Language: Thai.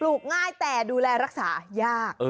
ดอกใหญ่ขายอยู่ที่ราคาดอกละ๒บาท